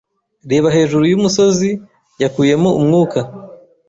Reba hejuru yumusozi yakuyemo umwuka.